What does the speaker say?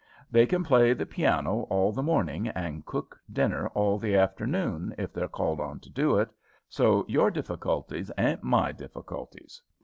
They can play the piano all the morning and cook dinner all the afternoon if they're called on to do it; so your difficulties ain't my difficulties.